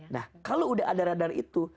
nah kalau udah ada radar itu